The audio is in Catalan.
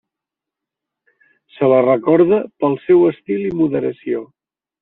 Se la recorda pel seu estil i moderació.